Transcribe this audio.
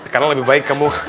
karena lebih baik kamu